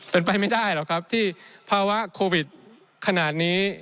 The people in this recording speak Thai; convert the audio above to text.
เป็นไปไม่ได้หรอกครับที่ภาวะโควิดขนาดนี้